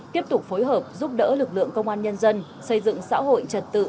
tiếp tục phối hợp giúp đỡ lực lượng công an nhân dân xây dựng xã hội trật tự